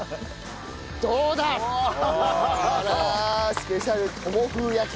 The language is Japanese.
スペシャル友風焼き！